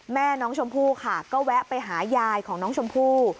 แม่น้องชมพู่ค่ะก็แวะไปหายายของน้องชมพู่